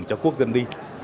cho quốc dân đi